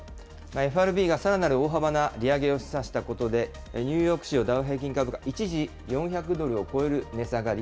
ＦＲＢがさらなる大幅な利上げを示唆したことで、ニューヨーク市場ダウ平均株価、一時、４００ドルを超える値下がり。